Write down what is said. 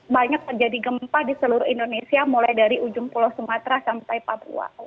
banyak terjadi gempa di seluruh indonesia mulai dari ujung pulau sumatera sampai papua